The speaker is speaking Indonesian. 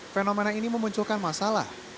fenomena ini memunculkan masalah